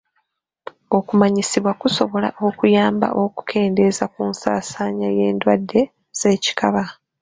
Okumanyisibwa kusobola okuyamba okukendeeza ku nsaansaanya y'endwadde z'ekikaba.